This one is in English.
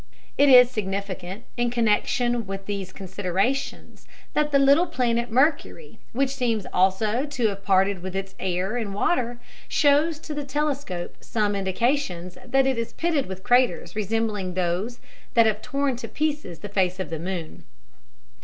It is significant, in connection with these considerations, that the little planet Mercury, which seems also to have parted with its air and water, shows to the telescope some indications that it is pitted with craters resembling those that have torn to pieces the face of the moon.